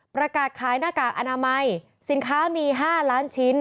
ประกาศขายหน้ากากอนามัยสินค้ามี๕ล้านชิ้น